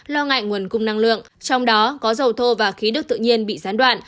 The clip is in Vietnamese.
lo ngại nguồn cung năng lượng trong đó có dầu thô và khí đức tự nhiên bị gián đoạn